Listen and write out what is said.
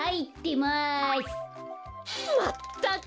まったく！